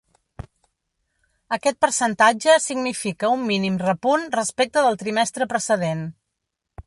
Aquest percentatge significa un mínim repunt respecte del trimestre precedent.